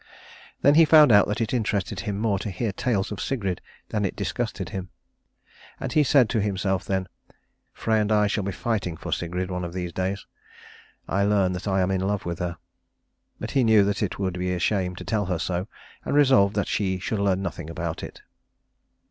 Then he found out that it interested him more to hear tales of Sigrid than it disgusted him; and he said to himself then, "Frey and I shall be fighting for Sigrid one of these days. I learn that I am in love with her." But he knew that it would be a shame to tell her so, and resolved that she should learn nothing about it.